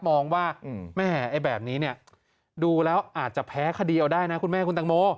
มองว่าแม่ไอ้แบบนี้เนี่ยดูแล้วอาจจะแพ้คดีเอาได้นะคุณแม่คุณตังโม